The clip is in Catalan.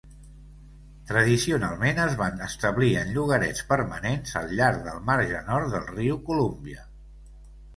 Tradicionalment es van establir en llogarets permanents al llarg del marge nord del riu Columbia.